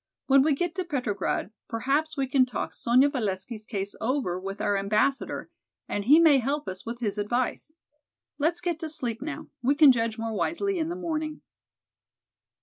When we get to Petrograd perhaps we can talk Sonya Valesky's case over with our Ambassador and he may help us with his advice. Let's get to sleep now; we can judge more wisely in the morning."